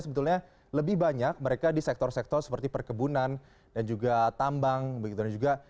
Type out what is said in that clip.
sebetulnya lebih banyak mereka di sektor sektor seperti perkebunan dan juga tambang begitu dan juga